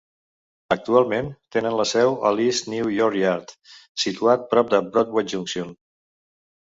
Actualment, tenen la seu a l'East New York Yard, situat prop de Broadway Junction.